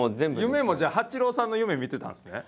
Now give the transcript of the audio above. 夢もじゃあ八郎さんの夢見てたんですね？